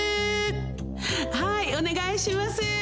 はいおねがいします！